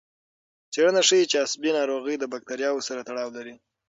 څېړنه ښيي چې عصبي ناروغۍ د بکتریاوو سره تړاو لري.